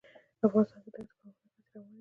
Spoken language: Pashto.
افغانستان کې د دښتې د پرمختګ هڅې روانې دي.